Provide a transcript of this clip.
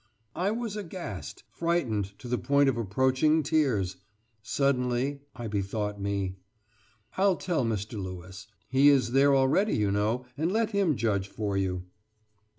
I was aghast, frightened to the point of approaching tears! Suddenly I bethought me. "I'11 tell Mr. Lewis. He is there already you know, and let him judge for you."